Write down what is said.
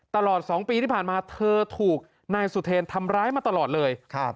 ตลอด๒ปีที่ผ่านมาเธอถูกนายสุเทรนทำร้ายมาตลอดเลย